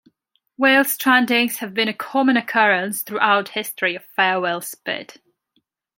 Whale strandings have been a common occurrence throughout history on Farewell Spit.